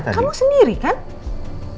kamu sendiri kan